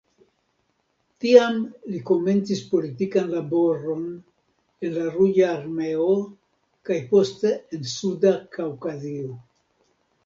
Tiam li komencis politikan laboron en la Ruĝa Armeo kaj poste en Suda Kaŭkazio.